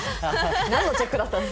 なんのチェックだったんです？